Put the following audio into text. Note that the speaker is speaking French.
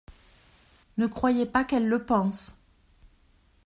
Ne croyez pas qu’elle le pense !